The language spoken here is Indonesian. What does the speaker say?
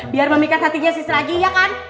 biar memikat hatinya sis lagi ya kan